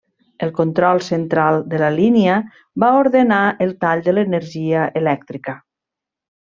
El Control Central de la línia va ordenar el tall de l'energia elèctrica.